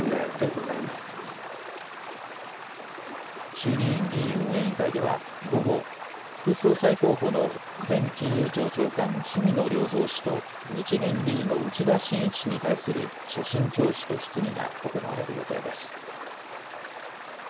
衆議院議員運営委員会では午後、副総裁候補の前金融庁長官の氷見野良三氏と日銀理事の内田眞一氏に対する所信聴取と質疑が行われる予定です。